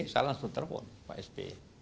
salah saya telepon pak s b